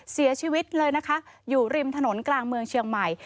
เสียชีวิตเลยนะคะอยู่ริมถนนกลางเมืองเชียงใหม่